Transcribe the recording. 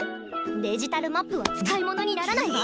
デジタルマップは使い物にならないわ。